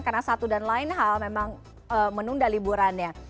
karena satu dan lain hal memang menunda liburannya